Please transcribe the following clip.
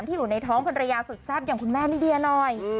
เดินทางมารับรางวัลพี่ทีกรชาย